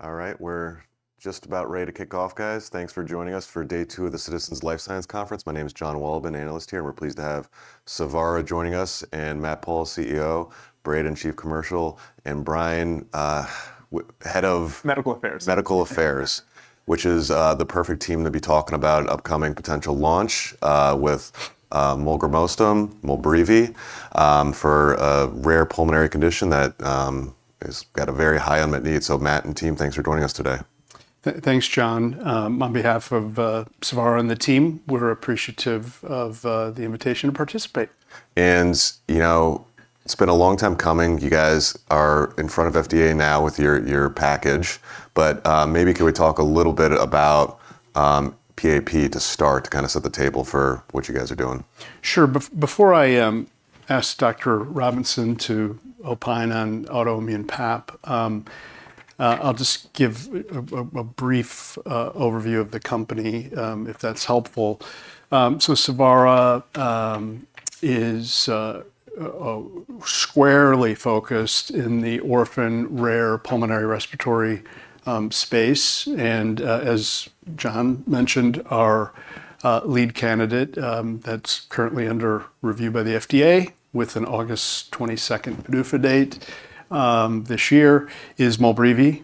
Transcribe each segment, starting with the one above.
All right, we're just about ready to kick off, guys. Thanks for joining us for day two of the Citizens Life Sciences Conference. My name is Jon Wolleben, analyst here, and we're pleased to have Savara joining us, and Matt Pauls, CEO, Braden, Chief Commercial, and Brian, head of- Medical Affairs. Medical Affairs, which is the perfect team to be talking about an upcoming potential launch with molgramostim, MOLBREEVI, for a rare pulmonary condition that has got a very high unmet need. Matt and team, thanks for joining us today. Thanks, John. On behalf of Savara and the team, we're appreciative of the invitation to participate. You know, it's been a long time coming. You guys are in front of FDA now with your package. Maybe can we talk a little bit about PAP to start, to kind of set the table for what you guys are doing. Sure. Before I ask Dr. Robinson to opine on autoimmune PAP, I'll just give a brief overview of the company, if that's helpful. Savara is squarely focused in the orphan rare pulmonary respiratory space. As John mentioned, our lead candidate that's currently under review by the FDA with an August 22nd PDUFA date this year is MOLBREEVI.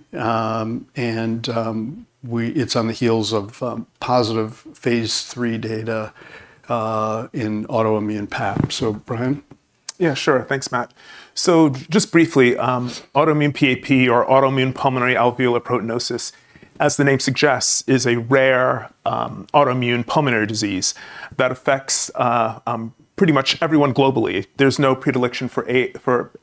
It's on the heels of positive phase III data in autoimmune PAP. Brian? Yeah, sure. Thanks, Matt. Just briefly, autoimmune PAP or autoimmune pulmonary alveolar proteinosis, as the name suggests, is a rare autoimmune pulmonary disease that affects pretty much everyone globally. There's no predilection for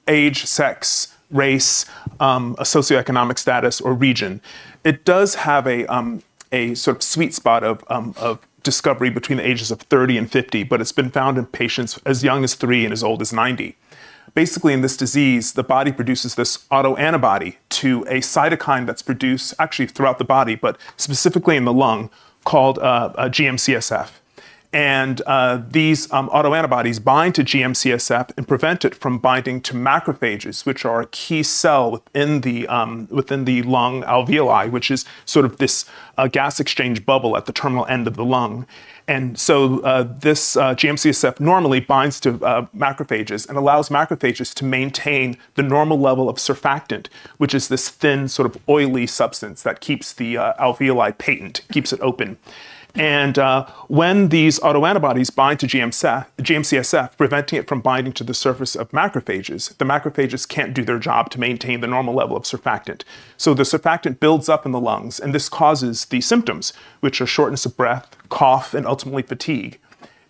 age, sex, race, socioeconomic status, or region. It does have a sort of sweet spot of discovery between the ages of 30 and 50, but it's been found in patients as young as three and as old as 90. Basically, in this disease, the body produces this autoantibody to a cytokine that's produced actually throughout the body, but specifically in the lung, called GM-CSF. These autoantibodies bind to GM-CSF and prevent it from binding to macrophages, which are a key cell within the lung alveoli, which is sort of this gas exchange bubble at the terminal end of the lung. This GM-CSF normally binds to macrophages and allows macrophages to maintain the normal level of surfactant, which is this thin, sort of oily substance that keeps the alveoli patent, keeps it open. When these autoantibodies bind to GM-CSF, preventing it from binding to the surface of macrophages, the macrophages can't do their job to maintain the normal level of surfactant. The surfactant builds up in the lungs, and this causes the symptoms, which are shortness of breath, cough, and ultimately fatigue.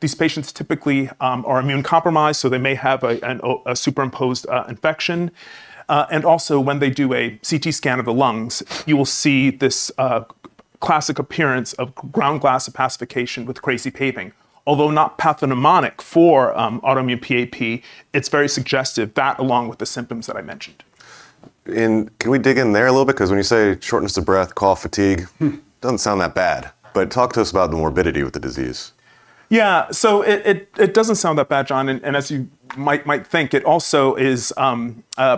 These patients typically are immunocompromised, so they may have a superimposed infection. Also, when they do a CT scan of the lungs, you will see this classic appearance of ground glass opacification with crazy paving. Although not pathognomonic for autoimmune PAP, it's very suggestive. That along with the symptoms that I mentioned. Can we dig in there a little bit? 'Cause when you say shortness of breath, cough, fatigue. Hmm Doesn't sound that bad. Talk to us about the morbidity with the disease. It doesn't sound that bad, John. As you might think, it also is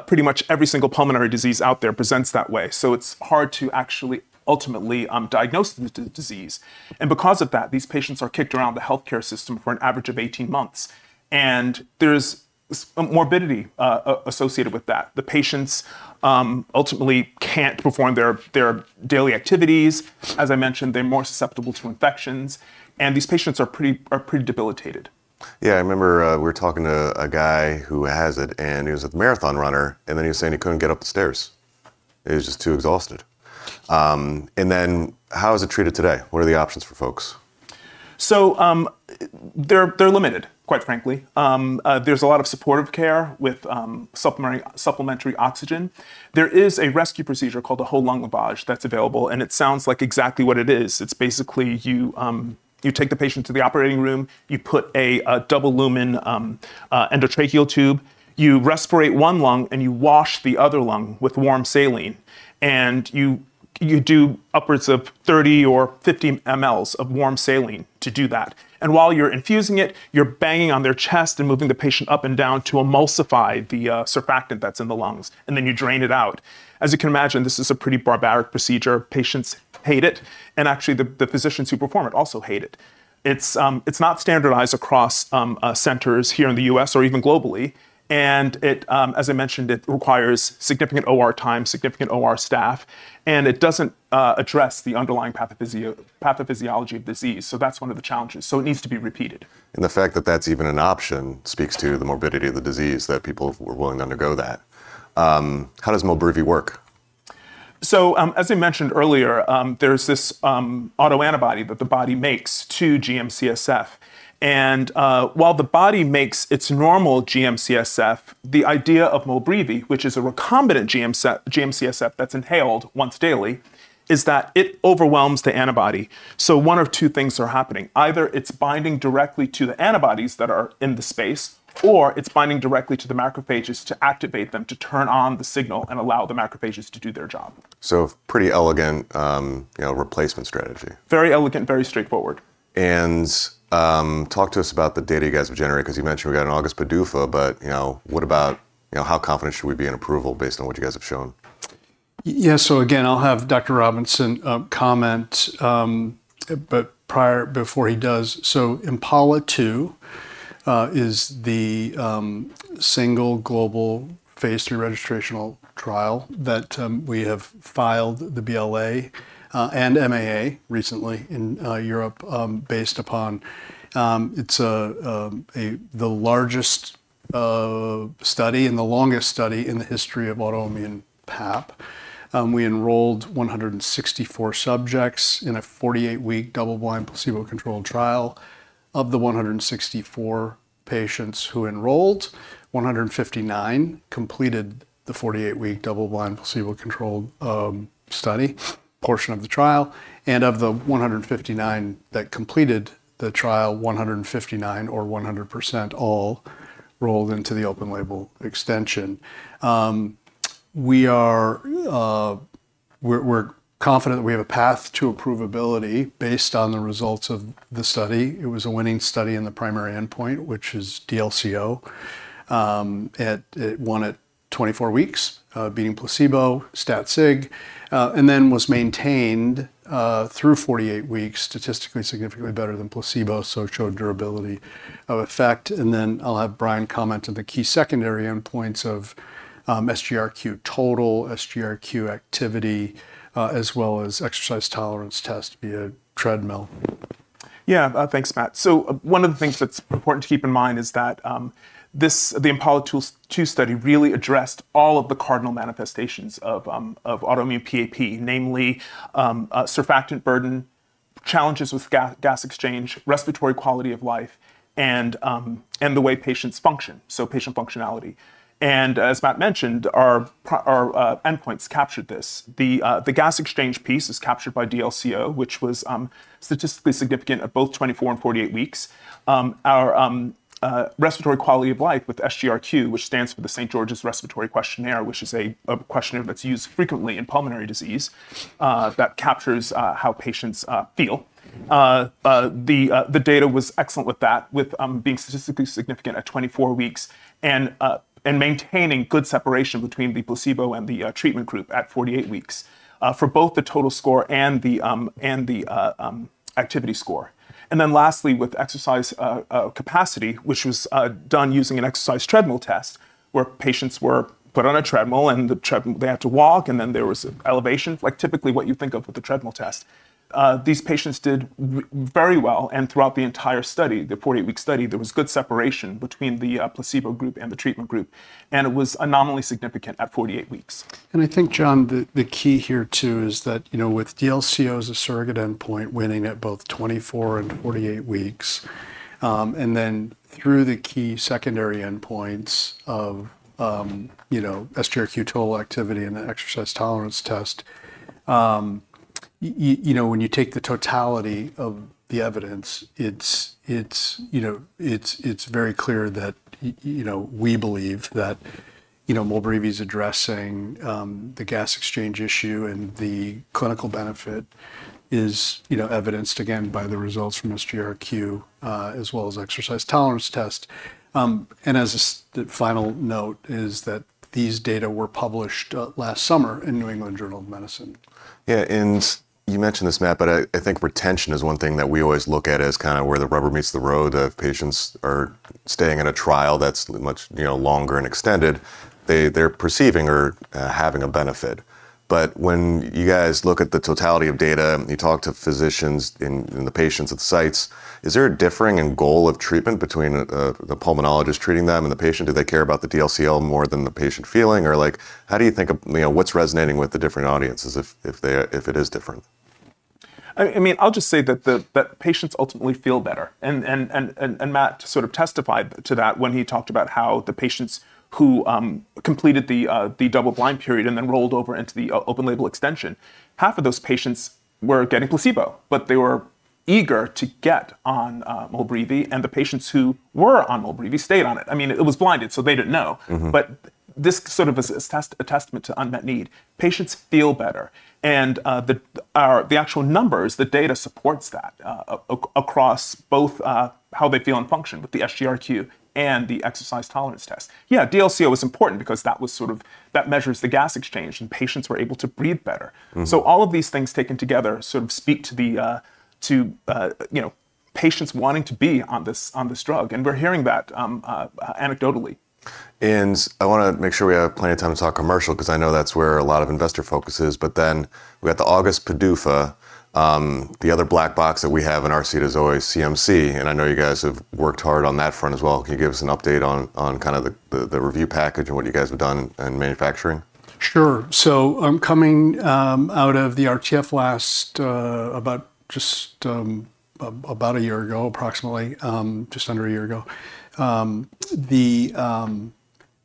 pretty much every single pulmonary disease out there presents that way, so it's hard to actually ultimately diagnose the disease. Because of that, these patients are kicked around the healthcare system for an average of 18 months, and there's a morbidity associated with that. The patients ultimately can't perform their daily activities. As I mentioned, they're more susceptible to infections, and these patients are pretty debilitated. Yeah. I remember, we were talking to a guy who has it, and he was a marathon runner, and then he was saying he couldn't get up the stairs. He was just too exhausted. How is it treated today? What are the options for folks? They're limited, quite frankly. There's a lot of supportive care with supplementary oxygen. There is a rescue procedure called the whole lung lavage that's available, and it sounds like exactly what it is. It's basically you take the patient to the operating room, you put a double lumen endotracheal tube, you respirate one lung, and you wash the other lung with warm saline. You do upwards of 30 or 50 mL of warm saline to do that. While you're infusing it, you're banging on their chest and moving the patient up and down to emulsify the surfactant that's in the lungs, and then you drain it out. As you can imagine, this is a pretty barbaric procedure. Patients hate it, and actually, the physicians who perform it also hate it. It's not standardized across centers here in the U.S. or even globally, and it, as I mentioned, it requires significant OR time, significant OR staff, and it doesn't address the underlying pathophysiology of disease, so that's one of the challenges. It needs to be repeated. The fact that that's even an option speaks to the morbidity of the disease that people were willing to undergo that. How does MOLBREEVI work? As I mentioned earlier, there's this autoantibody that the body makes to GM-CSF, and while the body makes its normal GM-CSF, the idea of MOLBREEVI, which is a recombinant GM-CSF that's inhaled once daily, is that it overwhelms the antibody. One of two things are happening. Either it's binding directly to the antibodies that are in the space or it's binding directly to the macrophages to activate them to turn on the signal and allow the macrophages to do their job. Pretty elegant, you know, replacement strategy. Very elegant, very straightforward. talk to us about the data you guys have generated, 'cause you mentioned we got an August PDUFA, but, you know, what about, you know, how confident should we be in approval based on what you guys have shown? Yeah. Again, I'll have Dr. Robinson comment, but before he does. IMPALA-2 is the single global phase III registrational trial that we have filed the BLA and MAA recently in Europe based upon. It's the largest study and the longest study in the history of autoimmune PAP. We enrolled 164 subjects in a 48-week double-blind placebo-controlled trial. Of the 164 patients who enrolled, 159 completed the 48-week double-blind placebo-controlled study portion of the trial, and of the 159 that completed the trial, 159 or 100% all enrolled into the open-label extension. We are confident that we have a path to approvability based on the results of the study. It was a winning study in the primary endpoint, which is DLCO. And it won at 24 weeks, beating placebo, stat sig, and then was maintained through 48 weeks statistically significantly better than placebo, so it showed durability of effect. Then I'll have Brian comment on the key secondary endpoints of SGRQ total, SGRQ activity, as well as exercise tolerance test via treadmill. Yeah. Thanks, Matt. One of the things that's important to keep in mind is that this, the IMPALA-2 study really addressed all of the cardinal manifestations of autoimmune PAP, namely surfactant burden, challenges with gas exchange, respiratory quality of life and the way patients function, so patient functionality. As Matt mentioned, our endpoints captured this. The gas exchange piece is captured by DLCO, which was statistically significant at both 24 and 48 weeks. Our respiratory quality of life with SGRQ, which stands for the St. George's Respiratory Questionnaire, which is a questionnaire that's used frequently in pulmonary disease, that captures how patients feel. The data was excellent with that, with being statistically significant at 24 weeks and maintaining good separation between the placebo and the treatment group at 48 weeks, for both the total score and the activity score. Then lastly, with exercise capacity, which was done using an exercise treadmill test where patients were put on a treadmill and they had to walk, and then there was elevation, like typically what you think of with a treadmill test. These patients did very well, and throughout the entire study, the 40-week study, there was good separation between the placebo group and the treatment group, and it was statistically significant at 48 weeks. I think, John, the key here too is that, you know, with DLCO as a surrogate endpoint winning at both 24 and 48 weeks, and then through the key secondary endpoints of, you know, SGRQ total activity and the exercise tolerance test, you know, when you take the totality of the evidence, it's you know it's very clear that, you know, we believe that, you know, MOLBREEVI's addressing the gas exchange issue and the clinical benefit is, you know, evidenced again by the results from SGRQ, as well as exercise tolerance test. As a final note is that these data were published last summer in The New England Journal of Medicine. Yeah. You mentioned this, Matt, but I think retention is one thing that we always look at as kind of where the rubber meets the road. If patients are staying in a trial that's much, you know, longer and extended, they're perceiving or having a benefit. But when you guys look at the totality of data, you talk to physicians and the patients at the sites, is there a difference in goal of treatment between the pulmonologist treating them and the patient? Do they care about the DLCO more than the patient feeling? Or like how do you think of, you know, what's resonating with the different audiences if it is different? I mean, I'll just say that patients ultimately feel better and Matt sort of testified to that when he talked about how the patients who completed the double-blind period and then rolled over into the open-label extension. Half of those patients were getting placebo, but they were eager to get on MOLBREEVI, and the patients who were on MOLBREEVI stayed on it. I mean, it was blinded, so they didn't know. Mm-hmm. This sort of is a testament to unmet need. Patients feel better, and the actual numbers, the data supports that, across both how they feel and function with the SGRQ and the exercise tolerance test. Yeah, DLCO was important because that was sort of, that measures the gas exchange, and patients were able to breathe better. Mm-hmm. All of these things taken together sort of speak to the, you know, patients wanting to be on this, on this drug, and we're hearing that anecdotally. I wanna make sure we have plenty of time to talk commercial because I know that's where a lot of investor focus is. We got the August PDUFA, the other black box that we have in our seat is always CMC, and I know you guys have worked hard on that front as well. Can you give us an update on kind of the review package and what you guys have done in manufacturing? Sure. Coming out of the RTF about a year ago, approximately just under a year ago,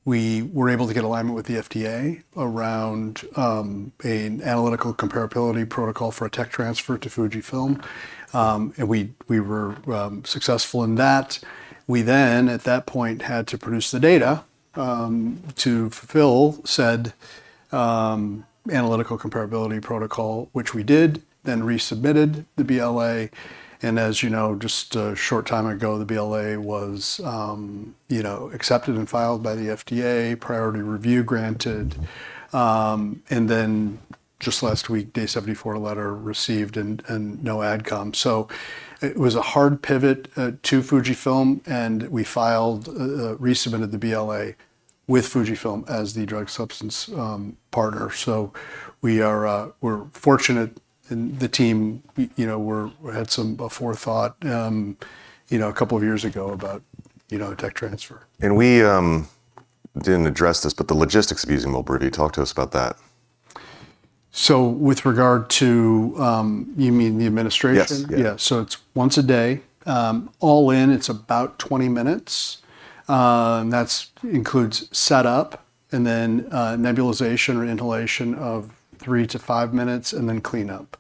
we were able to get alignment with the FDA around an analytical comparability protocol for a tech transfer to Fujifilm. We were successful in that. We then at that point had to produce the data to fulfill said analytical comparability protocol, which we did, then resubmitted the BLA. As you know, just a short time ago, the BLA was, you know, accepted and filed by the FDA, priority review granted. Just last week, day 74 letter received and no AdCom. It was a hard pivot to Fujifilm, and we resubmitted the BLA with Fujifilm as the drug substance partner. We're fortunate in the team, you know, we had some forethought, you know, a couple of years ago about, you know, tech transfer. We didn't address this, but the logistics of using MOLBREEVI. Talk to us about that. With regard to, you mean the administration? Yes. Yeah. Yeah. It's once a day. All in, it's about 20 minutes. That includes setup and then nebulization or inhalation of three to five minutes and then clean up.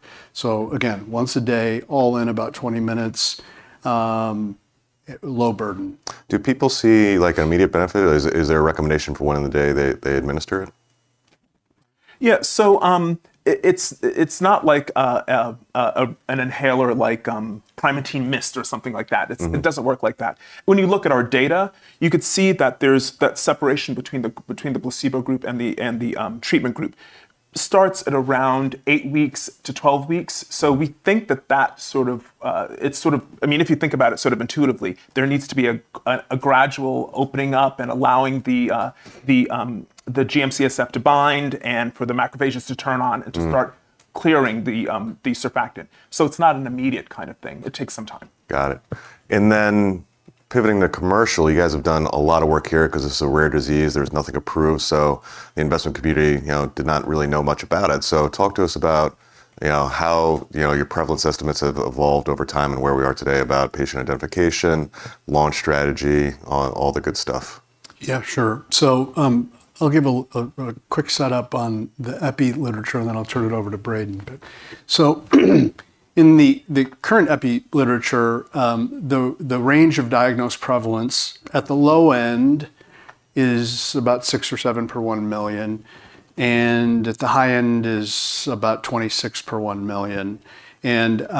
Again, once a day, all in about 20 minutes, low burden. Do people see like an immediate benefit? Is there a recommendation for when in the day they administer it? It's not like an inhaler like Primatene MIST or something like that. Mm-hmm. It doesn't work like that. When you look at our data, you could see that there's that separation between the placebo group and the treatment group starts at around eight weeks to 12 weeks. We think that sort of, it's sort of I mean, if you think about it sort of intuitively, there needs to be a gradual opening up and allowing the GM-CSF to bind and for the macrophages to turn on. Mm To start clearing the surfactant. It's not an immediate kind of thing. It takes some time. Got it. Pivoting to commercial, you guys have done a lot of work here 'cause it's a rare disease. There's nothing approved. The investment community, you know, did not really know much about it. Talk to us about, you know, how, you know, your prevalence estimates have evolved over time and where we are today about patient identification, launch strategy, all the good stuff. Yeah, sure. I'll give a quick setup on the epi literature, and then I'll turn it over to Braden. In the current epi literature, the range of diagnosed prevalence at the low end is about six or seven per 1 million, and at the high end is about 26 per 1 million. That's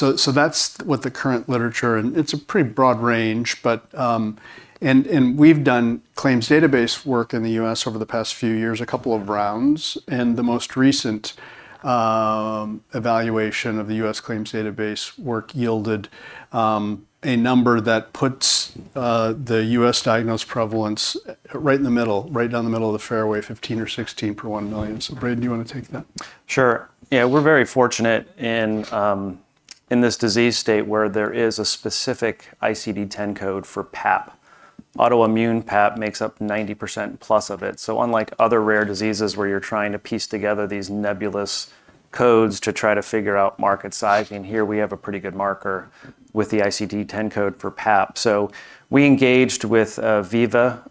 what the current literature. It's a pretty broad range. We've done claims database work in the U.S. over the past few years, a couple of rounds, and the most recent evaluation of the U.S. claims database work yielded a number that puts the U.S. diagnosed prevalence right in the middle, right down the middle of the fairway, 15 or 16 per 1 million. Braden, do you wanna take that? Sure. Yeah. We're very fortunate in this disease state where there is a specific ICD-10 code for PAP. Autoimmune PAP makes up 90% plus of it. Unlike other rare diseases where you're trying to piece together these nebulous codes to try to figure out market sizing, here we have a pretty good marker with the ICD-10 code for PAP. We engaged with Veeva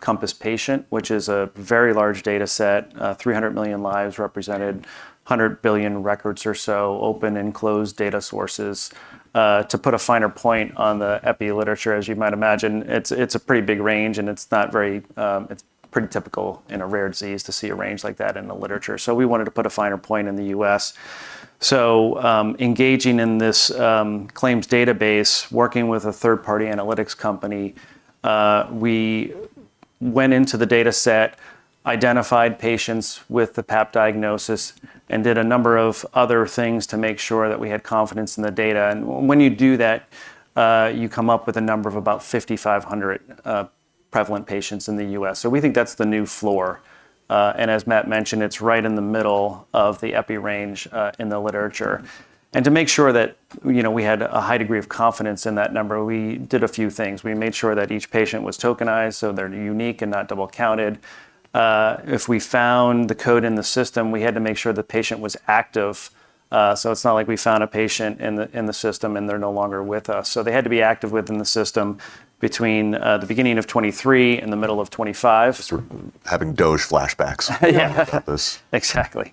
Compass Patient, which is a very large data set, 300 million lives represented, 100 billion records or so, open and closed data sources, to put a finer point on the epi literature. As you might imagine, it's a pretty big range, and it's not very, it's pretty typical in a rare disease to see a range like that in the literature. We wanted to put a finer point in the US. Engaging in this claims database, working with a third-party analytics company, we went into the data set, identified patients with the PAP diagnosis, and did a number of other things to make sure that we had confidence in the data. When you do that, you come up with a number of about 5,500 prevalent patients in the U.S. We think that's the new floor. As Matt mentioned, it's right in the middle of the epi range in the literature. To make sure that, you know, we had a high degree of confidence in that number, we did a few things. We made sure that each patient was tokenized, so they're unique and not double counted. If we found the code in the system, we had to make sure the patient was active. It's not like we found a patient in the system, and they're no longer with us. They had to be active within the system between the beginning of 2023 and the middle of 2025. Just sort of having DOGE flashbacks about this. Yeah. Exactly.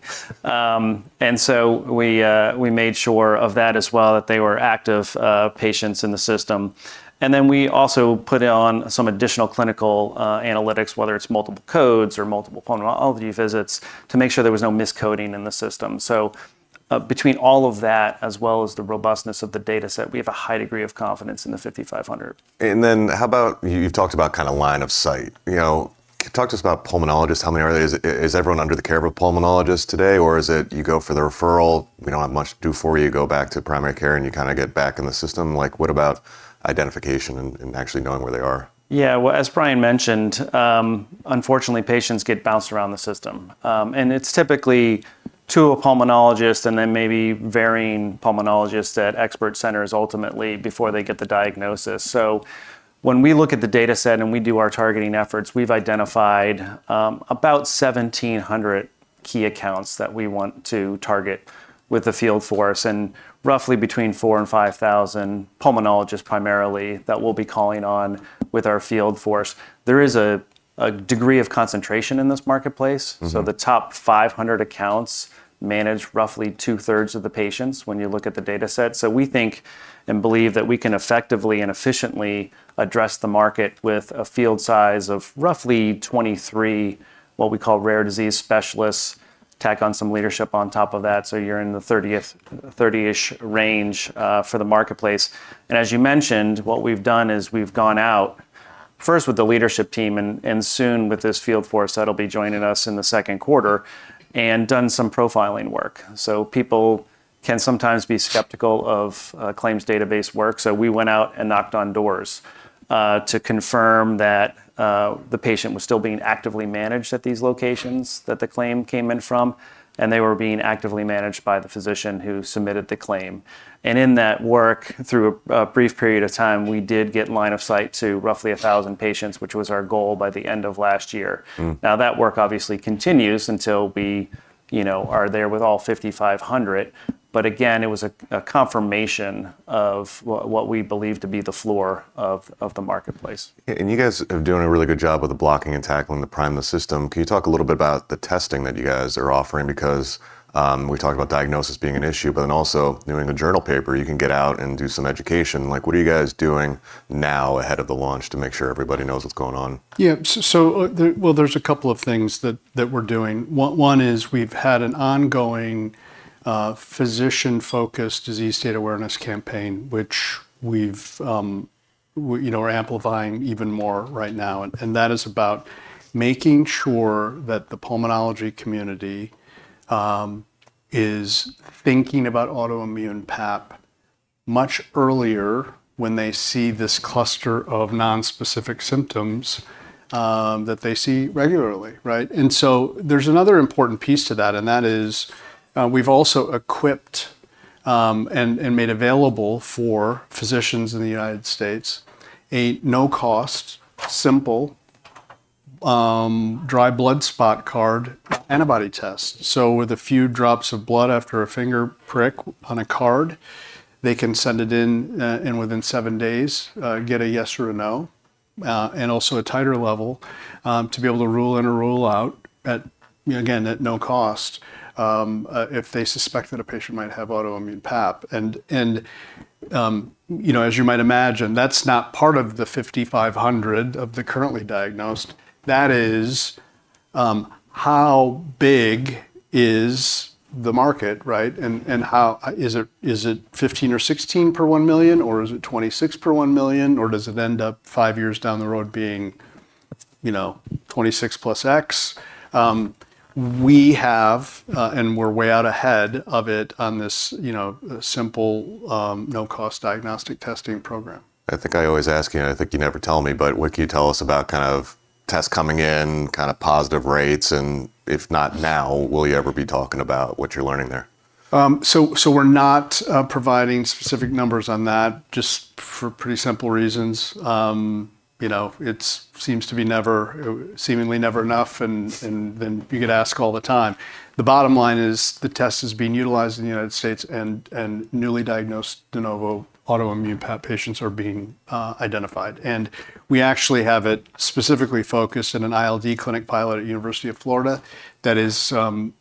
We made sure of that as well, that they were active patients in the system. We also put on some additional clinical analytics, whether it's multiple codes or multiple pulmonology visits, to make sure there was no miscoding in the system. Between all of that, as well as the robustness of the data set, we have a high degree of confidence in the 5,500. How about you've talked about kinda line of sight. You know, talk to us about pulmonologists. How many are they? Is everyone under the care of a pulmonologist today, or is it you go for the referral, we don't have much to do for you, go back to primary care, and you kinda get back in the system? Like, what about identification and actually knowing where they are? Yeah. Well, as Brian mentioned, unfortunately, patients get bounced around the system. It's typically to a pulmonologist and then maybe varying pulmonologists at expert centers ultimately before they get the diagnosis. When we look at the data set and we do our targeting efforts, we've identified about 1,700 key accounts that we want to target with the field force and roughly between 4,000 and 5,000 pulmonologists primarily that we'll be calling on with our field force. There is a degree of concentration in this marketplace. Mm-hmm. The top 500 accounts manage roughly 2/3 of the patients when you look at the data set. We think and believe that we can effectively and efficiently address the market with a field size of roughly 23, what we call rare disease specialists, tack on some leadership on top of that, so you're in the 30-ish range for the marketplace. As you mentioned, what we've done is we've gone out first with the leadership team and soon with this field force that'll be joining us in the second quarter and done some profiling work. People can sometimes be skeptical of claims database work, so we went out and knocked on doors to confirm that the patient was still being actively managed at these locations that the claim came in from and they were being actively managed by the physician who submitted the claim. In that work, through a brief period of time, we did get line of sight to roughly 1,000 patients, which was our goal by the end of last year. Mm. Now, that work obviously continues until we, you know, are there with all 5,500. But again, it was a confirmation of what we believe to be the floor of the marketplace. You guys are doing a really good job with the blocking and tackling to prime the system. Can you talk a little bit about the testing that you guys are offering? Because we talk about diagnosis being an issue, but then also doing a journal paper, you can get out and do some education. Like, what are you guys doing now ahead of the launch to make sure everybody knows what's going on? Yeah. Well, there's a couple of things that we're doing. One is we've had an ongoing physician focus disease state awareness campaign, which we've, we, you know, are amplifying even more right now. That is about making sure that the pulmonology community is thinking about autoimmune PAP much earlier when they see this cluster of non-specific symptoms that they see regularly, right? There's another important piece to that, and that is we've also equipped and made available for physicians in the United States a no-cost, simple, dried blood spot card antibody test. With a few drops of blood after a finger prick on a card, they can send it in and within seven days get a yes or a no. Also a titer level to be able to rule in or rule out, again, at no cost, if they suspect that a patient might have autoimmune PAP. You know, as you might imagine, that's not part of the 5,500 of the currently diagnosed. That is how big is the market, right? How is it 15 or 16 per 1 million, or is it 26 per 1 million, or does it end up five years down the road being, you know, 26 plus X? We have and we're way out ahead of it on this, you know, simple no-cost diagnostic testing program. I think I always ask you, and I think you never tell me, but what can you tell us about kind of tests coming in, kind of positive rates, and if not now, will you ever be talking about what you're learning there? We're not providing specific numbers on that just for pretty simple reasons. You know, it seems to be never seemingly never enough, and then you get asked all the time. The bottom line is the test is being utilized in the United States, and newly diagnosed de novo autoimmune PAP patients are being identified. We actually have it specifically focused in an ILD clinic pilot at University of Florida that is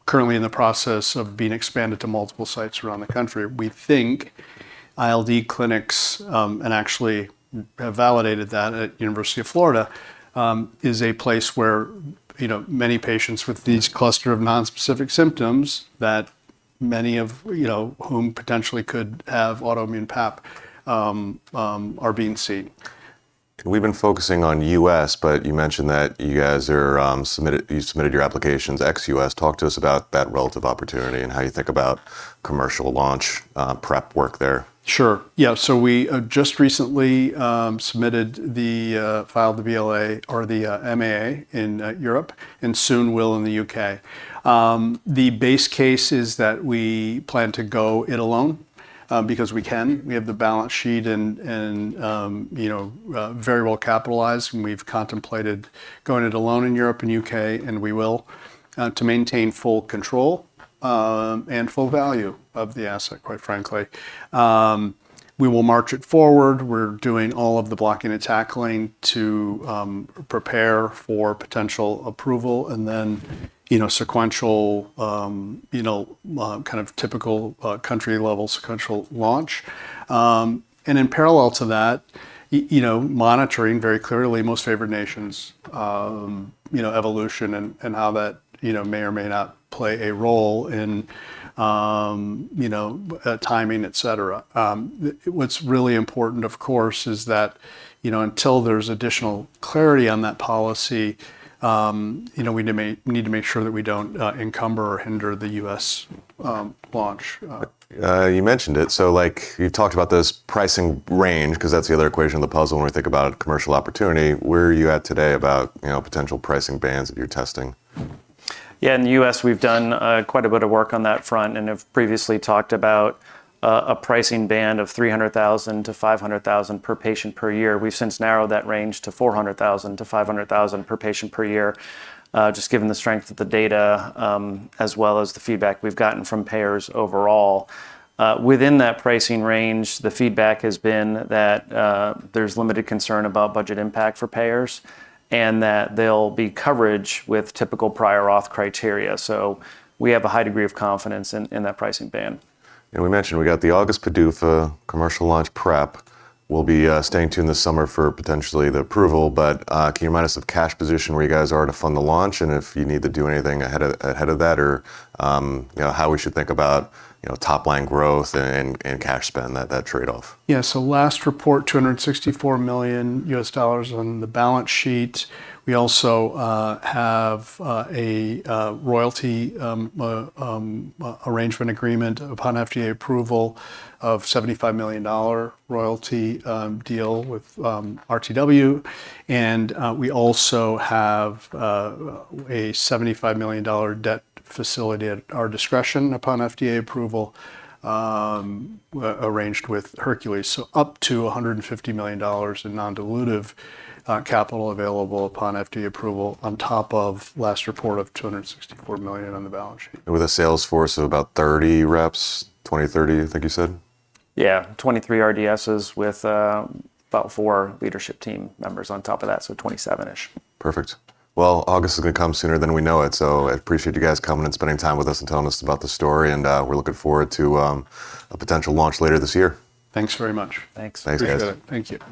currently in the process of being expanded to multiple sites around the country. We think ILD clinics and actually have validated that at University of Florida is a place where, you know, many patients with these cluster of non-specific symptoms that many of, you know, whom potentially could have autoimmune PAP are being seen. We've been focusing on U.S., but you mentioned that you submitted your applications ex-U.S. Talk to us about that relative opportunity and how you think about commercial launch prep work there. Sure. Yeah. We just recently filed the BLA or the MAA in Europe, and soon will in the U.K. The base case is that we plan to go it alone because we can. We have the balance sheet and, you know, very well capitalized, and we've contemplated going it alone in Europe and U.K., and we will to maintain full control and full value of the asset, quite frankly. We will march it forward. We're doing all of the blocking and tackling to prepare for potential approval, and then, you know, sequential kind of typical country-level sequential launch. In parallel to that, you know, monitoring very clearly Most Favored Nation, you know, evolution and how that, you know, may or may not play a role in, you know, timing, et cetera. What's really important, of course, is that, you know, until there's additional clarity on that policy, you know, we need to make sure that we don't encumber or hinder the U.S. launch. You mentioned it. Like, you talked about this pricing range, 'cause that's the other equation of the puzzle when we think about commercial opportunity. Where are you at today about, you know, potential pricing bands that you're testing? Yeah. In the U.S., we've done quite a bit of work on that front and have previously talked about a pricing band of $300,000-$500,000 per patient per year. We've since narrowed that range to $400,000-$500,000 per patient per year, just given the strength of the data, as well as the feedback we've gotten from payers overall. Within that pricing range, the feedback has been that there's limited concern about budget impact for payers and that there'll be coverage with typical prior authorization criteria. We have a high degree of confidence in that pricing band. We mentioned we got the August PDUFA commercial launch prep. We'll be staying tuned this summer for potentially the approval. Can you remind us of cash position where you guys are to fund the launch, and if you need to do anything ahead of that, or you know, how we should think about you know, top line growth and cash spend, that trade-off? Yeah. Last report, $264 million on the balance sheet. We also have a royalty arrangement agreement upon FDA approval of $75 million royalty deal with RTW. We also have a $75 million debt facility at our discretion upon FDA approval arranged with Hercules. Up to $150 million in non-dilutive capital available upon FDA approval on top of last report of $264 million on the balance sheet. With a sales force of about 30 reps, 20, 30, I think you said? Yeah. 23 RDSs with about four leadership team members on top of that, so 27-ish. Perfect. Well, August is gonna come sooner than we know it, so I appreciate you guys coming and spending time with us and telling us about the story. We're looking forward to a potential launch later this year. Thanks very much. Thanks. Thanks, guys. Appreciate it. Thank you.